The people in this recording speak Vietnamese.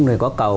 rồi có cầu